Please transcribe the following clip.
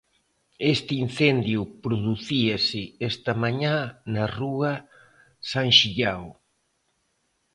Este incendio producíase esta mañá na rúa San Xillao.